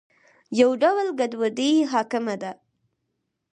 یو ډول ګډوډي حاکمه ده.